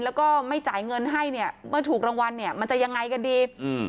แล้วก็ไม่จ่ายเงินให้เนี่ยเมื่อถูกรางวัลเนี่ยมันจะยังไงกันดีอืม